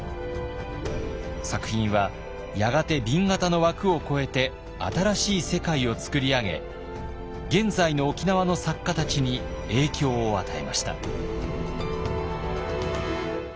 作品はやがて紅型の枠を超えて新しい世界を作り上げ現在の沖縄の作家たちに影響を与えました。